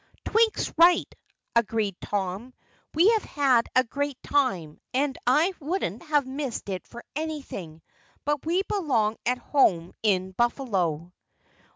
"Twink's right," agreed Tom. "We have had a great time, and I wouldn't have missed it for anything, but we belong at home in Buffalo."